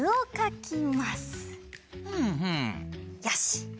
よし。